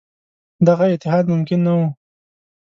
دغه اتحاد ممکن نه وو.